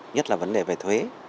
nhất là vấn đề về thuế